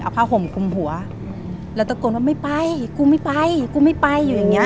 เอาผ้าห่มคุมหัวแล้วตะโกนว่าไม่ไปกูไม่ไปกูไม่ไปอยู่อย่างเงี้